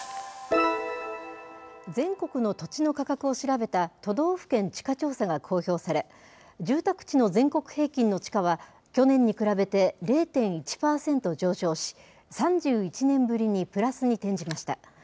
全国の土地の価格を調べた都道府県地価調査が公表され、住宅地の全国平均の地価は、去年に比べて０．１％上昇し、３１年ぶりにプラスに転じました。